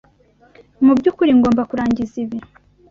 Mu byukuri ngomba kurangiza ibi.